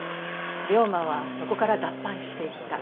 龍馬はそこから脱藩していった。